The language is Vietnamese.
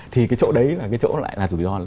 thì cái chỗ đấy là cái chỗ lại là rủi ro